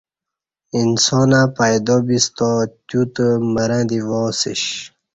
انسانہ پیدا بستا تیو تہ مرں دی واسیش